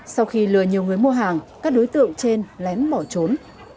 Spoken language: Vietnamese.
sau khi lừa nhiều người mua hàng các đối tượng trên lén bỏ trốn